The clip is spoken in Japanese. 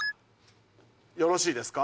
よろしいですか？